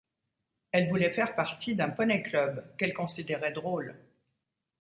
Elle voulait faire partie d'un poney club, qu'elle considérait drôle.